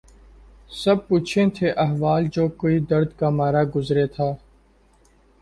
سب پوچھیں تھے احوال جو کوئی درد کا مارا گزرے تھا